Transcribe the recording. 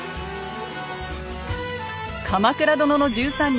「鎌倉殿の１３人」